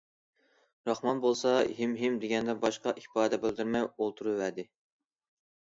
راخمان بولسا‹‹ ھىم، ھىم›› دېگەندىن باشقا ئىپادە بىلدۈرمەي ئولتۇرۇۋەردى.